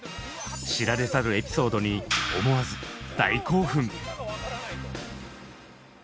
知られざるエピソードに思わず大興奮！